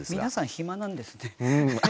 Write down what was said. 皆さん暇なんですね。